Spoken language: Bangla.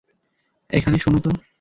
এখানে শোন তো।